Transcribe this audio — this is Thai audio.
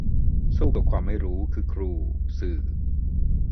สู้กับความไม่รู้ คือครู สื่อ